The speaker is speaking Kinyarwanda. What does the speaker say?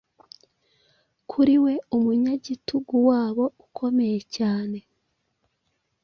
Kuri we, Umunyagitugu wabo ukomeye cyane,